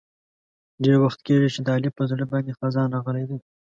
ډېر وخت کېږي چې د علي په زړه باندې خزان راغلی دی.